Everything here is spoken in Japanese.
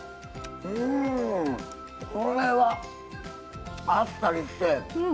うんこれはあっさりして。